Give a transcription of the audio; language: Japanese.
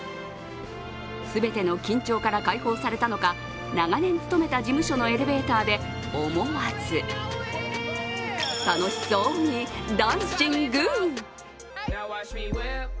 全ての緊張から解放されたのか、長年勤めた事務所のエレベーターで思わず楽しそうにダンシング。